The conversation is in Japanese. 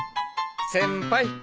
先輩。